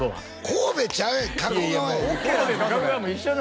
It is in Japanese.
神戸ちゃう